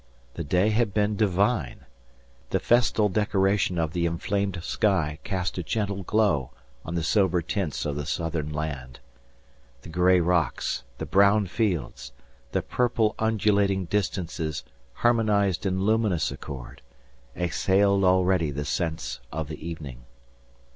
The day had been divine. The festal decoration of the inflamed sky cast a gentle glow on the sober tints of the southern land. The gray rocks, the brown fields, the purple undulating distances harmonised in luminous accord, exhaled already the scents of the evening.